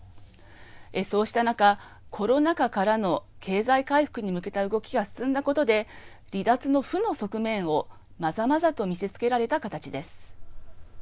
そうした中、コロナ禍からの経済回復に向けた動きが進んだことで離脱の負の側面をまざまざと見せつけられた形です。